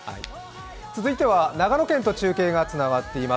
続いては、長野県と中継がつながっています。